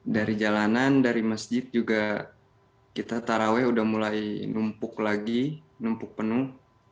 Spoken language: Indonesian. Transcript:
dari jalanan dari masjid juga kita taraweh udah mulai numpuk lagi numpuk penuh